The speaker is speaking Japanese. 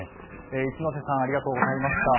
一之瀬さんありがとうございました。